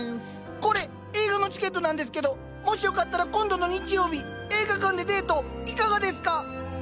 これ映画のチケットなんですけどもしよかったら今度の日曜日映画館でデートいかがですか？